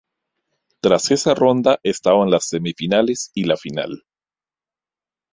Tras esa ronda estaban las semifinales y la final.